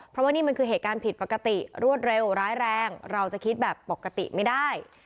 เพราะว่านี่มันคือเหตุการณ์ผิดปกติรวดเร็วร้ายแรงเราจะคิดแบบปกติไม่ได้